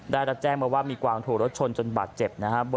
ได้รับแจ้งมาว่ามีกวางถูกรถชนจนบาดเจ็บนะครับ